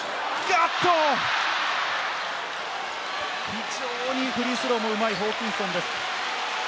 非常にフリースローもうまいホーキンソンです。